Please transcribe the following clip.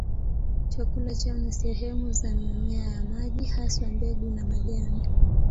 Chakula chao ni sehemu za mimea ya maji, haswa mbegu na majani.